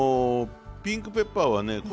ピンクペッパーはね